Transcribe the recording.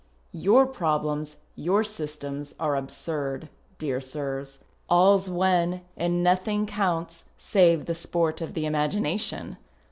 Your i)roblcms, your systems, are absurd, dear sirs ; all's one and nothing counts save the sport of the imagination.